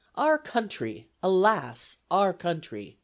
... Our country, alas! our country!